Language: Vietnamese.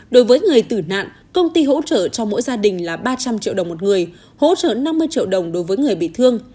đối với người tử nạn công ty hỗ trợ cho mỗi gia đình là ba trăm linh triệu đồng một người hỗ trợ năm mươi triệu đồng đối với người bị thương